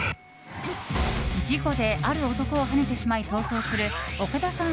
事故である男をはねてしまい逃走する岡田さん